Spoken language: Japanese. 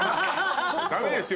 ダメですよ